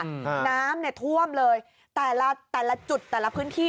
น้ำเนี่ยท่วมเลยแต่ละแต่ละจุดแต่ละพื้นที่